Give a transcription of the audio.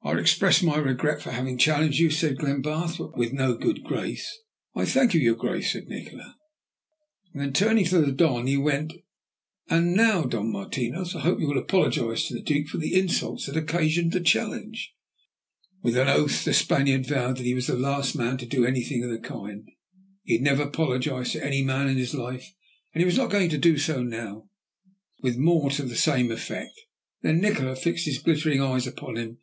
"I express my regret for having challenged you," said Glenbarth, but with no good grace. "I thank you, your Grace," said Nikola. Then turning to the Don, he went on "And now, Don Martinos, I hope you will apologize to the Duke for the insults that occasioned the challenge." With an oath the Spaniard vowed that he was the last man to do anything of the kind. He had never apologized to any man in his life, and he was not going to do so now, with more to the same effect. Then Nikola fixed his glittering eyes upon him.